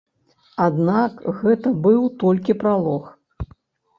Аднак гэта быў толькі пралог.